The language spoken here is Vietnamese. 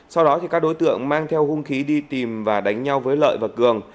sau đó các đối tượng mang theo hung khí đi tìm và đánh nhau với lợi và cường